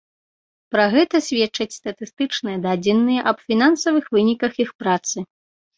Пра гэта сведчаць статыстычныя дадзеныя аб фінансавых выніках іх працы.